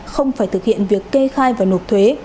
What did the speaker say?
không phải thực hiện việc kê khai và nộp thuế